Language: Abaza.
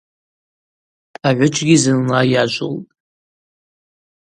Агӏвыджьгьи зынла йажвылтӏ.